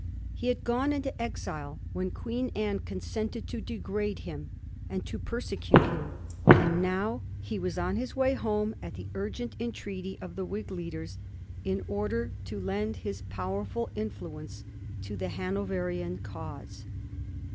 He had gone into exile when Queen Anne consented to degrade him and to persecute him, and now he was on his way home at the urgent entreaty of the Whig leaders, in order to lend his powerful influence to the Hanoverian cause.